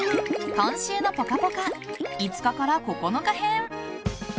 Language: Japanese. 「今週のぽかぽか」５日から９日編。